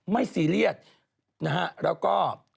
ซีเรียสนะฮะแล้วก็